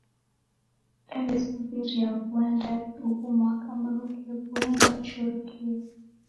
Daw'esuw'iria vua ndazi ughu mwaka, mruke ghuenda churikia.